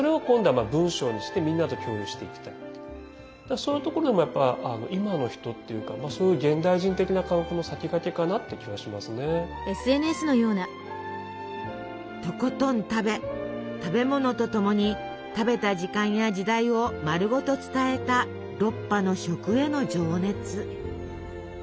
そういうところでもやっぱ今の人っていうかとことん食べ食べ物とともに食べた時間や時代を丸ごと伝えたロッパの食への情熱。